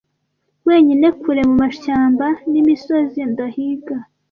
Wenyine kure mumashyamba n'imisozi ndahiga,